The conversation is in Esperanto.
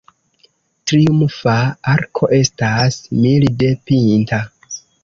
Triumfa arko estas milde pinta.